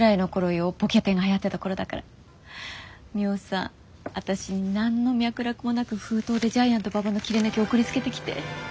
ミホさん私に何の脈絡もなく封筒でジャイアント馬場の切り抜き送りつけてきて。